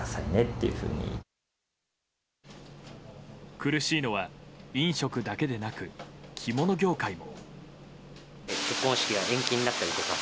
苦しいのは飲食だけでなく着物業界も。